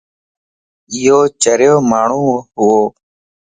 ايو چريو ماڻھون وَ